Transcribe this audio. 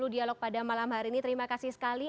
dialog pada malam hari ini terima kasih sekali